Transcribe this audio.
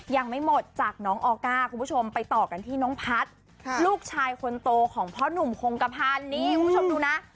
ยังไม่หมดจากน้องออก้าคุณผู้ชมไปต่อกันที่น้องพัฒน์ลูกชายคนโตของพ่อหนุ่มคงกระพันธ์นี่คุณผู้ชมดูนะ